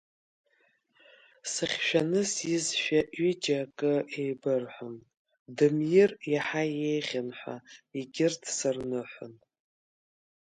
Сыхьшәаны сизшәа ҩыџьа акы еибырҳәон, дымир иаҳа еиӷьын ҳәа егьырҭ сырныҳәон.